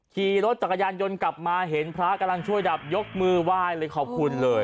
ขี่รถจักรยานยนต์กลับมาเห็นพระกำลังช่วยดับยกมือไหว้เลยขอบคุณเลย